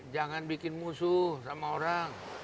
jangan bikin musuh sama orang